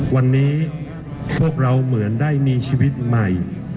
วันนี้พวกเราเหมือนได้มีชีวิตใหม่